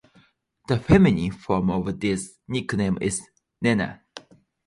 The feminine form of this nickname is Nena.